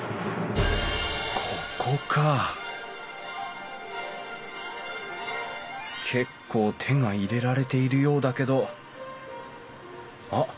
ここか結構手が入れられているようだけどあっ